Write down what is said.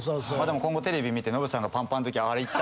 今後テレビ見てノブさんがパンパンの時は。